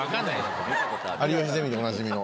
『有吉ゼミ』でおなじみの。